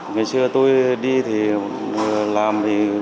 ngày xưa tôi đi thì làm thì